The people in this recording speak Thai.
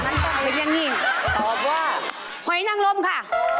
หอยนังรมค่ะ